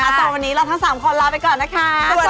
ส่วนวันนี้เราทั้ง๓คนลาไปก่อนนะคะ